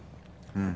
うん。